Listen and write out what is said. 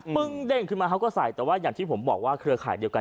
ึ้งเด้งขึ้นมาเขาก็ใส่แต่ว่าอย่างที่ผมบอกว่าเครือข่ายเดียวกัน